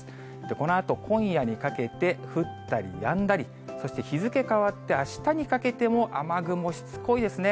このあと、今夜にかけて降ったりやんだり、そして日付変わってあしたにかけても、雨雲しつこいですね。